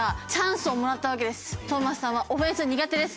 トーマスさんはオフェンス苦手です。